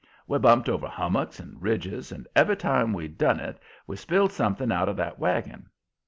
We bumped over hummocks and ridges, and every time we done it we spilled something out of that wagon.